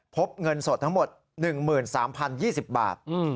พบเงินสดทั้งหมด๑๓๐๒๐บาท